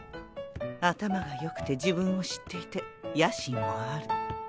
頭がよくて自分を知っていて野心もある。